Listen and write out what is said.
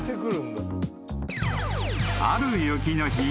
［ある雪の日。